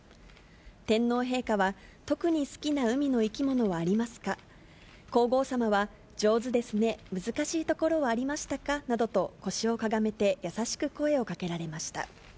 天皇陛下は、特に好きな海の生き物はありますか、皇后さまは上手ですね、難しいところはありましたかなどと、腰をかがめて、優しく声をかけられました。